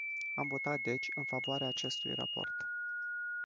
Am votat deci în favoarea acestui raport.